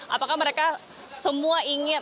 apakah mereka semua ingin